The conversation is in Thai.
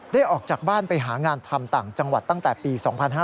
ออกจากบ้านไปหางานทำต่างจังหวัดตั้งแต่ปี๒๕๕๙